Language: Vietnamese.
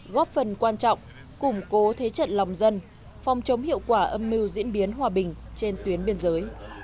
góp phần quan trọng củng cố thế trận lòng dân phòng chống hiệu quả âm mưu diễn biến hòa bình trên tuyến biên giới